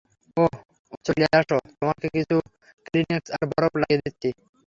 ওহ, ওহ চলে আসো, তোমাকে কিছু ক্লিনেক্স আর বরফ লাগিয়ে দিচ্ছি।